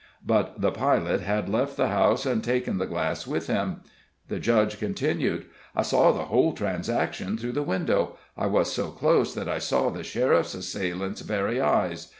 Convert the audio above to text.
But the pilot had left the house and taken the glass with him. The Judge continued: "I saw the whole transaction through the window. I was so close that I saw the sheriff's assailant's very eyes.